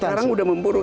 sekarang sudah memburuk